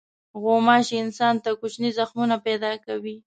غوماشې انسان ته کوچني زخمونه پیدا کوي.